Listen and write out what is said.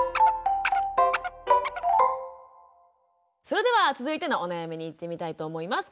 それでは続いてのお悩みにいってみたいと思います。